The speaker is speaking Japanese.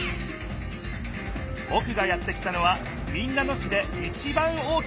ぼくがやって来たのは民奈野市でいちばん大きなえき。